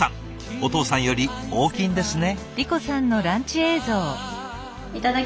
お父さんより大きいんですね。